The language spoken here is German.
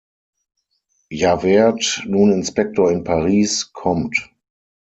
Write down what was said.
Javert, nun Inspektor in Paris, kommt.